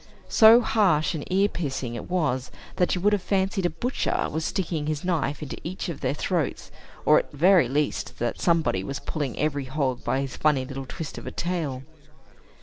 So harsh and ear piercing it was, that you would have fancied a butcher was sticking his knife into each of their throats, or, at the very least, that somebody was pulling every hog by his funny little twist of a tail.